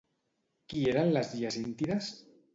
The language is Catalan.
Qui eren les Hiacíntides?